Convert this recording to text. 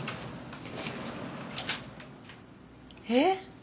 「えっ？